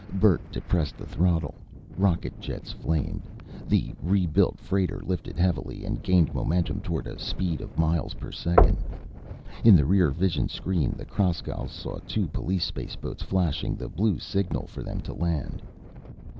Bert depressed the throttle. Rocket jets flamed. The rebuilt freighter lifted heavily and gained momentum toward a speed of miles per second. In the rear vision screen the Kraskows saw two police spaceboats flashing the blue signal for them to land.